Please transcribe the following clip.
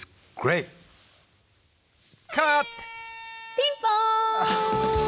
ピンポーン！